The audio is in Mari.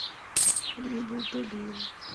— Лийын улде, лийын...